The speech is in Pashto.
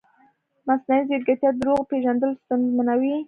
مصنوعي ځیرکتیا د دروغو پېژندل ستونزمنوي.